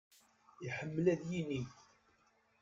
Iḥemmel ad yinig.